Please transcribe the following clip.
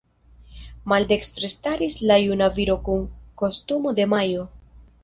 Maldekstre staris la "Juna Viro kun kostumo de majo".